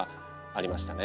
ありましたね。